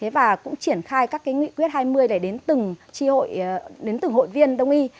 và cũng triển khai các nghị quyết hai mươi đến từng hội viên đông y